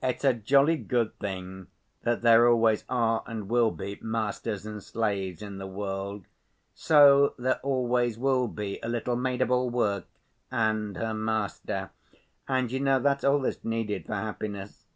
It's a jolly good thing that there always are and will be masters and slaves in the world, so there always will be a little maid‐ of‐all‐work and her master, and you know, that's all that's needed for happiness.